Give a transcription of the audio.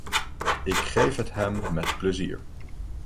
Ik geef het hem met plezier.